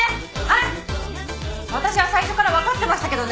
私は最初からわかってましたけどね。